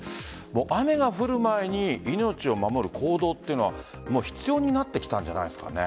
雨が降る前に命を守る行動というのは必要になってきたんじゃないですかね。